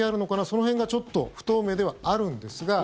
その辺がちょっと不透明ではあるんですが。